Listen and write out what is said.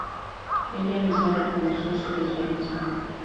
Ella misma reconoció su lesbianismo.